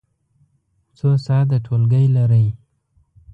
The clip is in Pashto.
څو ساعته ټولګی لرئ؟